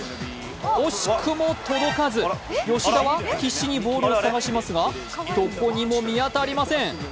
惜しくも届かず、吉田は必然にボールを探しますが、どこにも見当たりません。